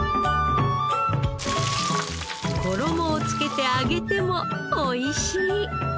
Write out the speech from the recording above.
衣をつけて揚げてもおいしい。